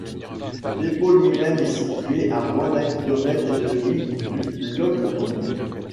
Le dépôt lui-même est situé à moins d'un kilomètre et demi du Loch Long.